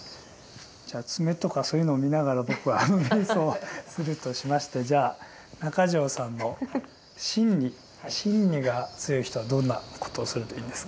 じゃあ爪とかそういうのを見ながら僕は瞑想するとしましてじゃあ中條さんの「瞋恚」が強い人はどんなことをするといいんですか？